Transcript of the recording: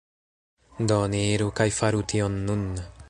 Do, ni iru kaj faru tion nun